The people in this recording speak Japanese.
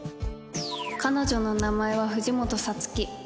彼女の名前は藤本皐月